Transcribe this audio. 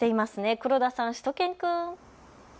黒田さん、しゅと犬くん。